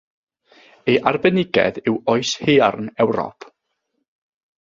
Ei arbenigedd yw Oes Haearn Ewrop.